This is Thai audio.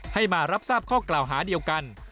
ให้มารับทราบข้อกล่าวหาเดียวกัน